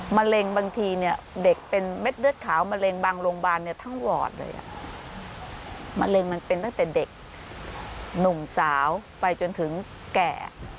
มาเร่งมันเป็นตั้งแต่เด็กหนุ่มสาวไปจนถึงแก่